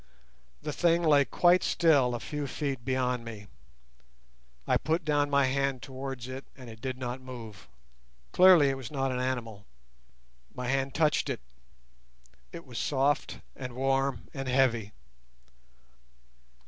The thing lay quite still a few feet beyond me. I put down my hand towards it and it did not move: clearly it was not an animal. My hand touched it. It was soft and warm and heavy.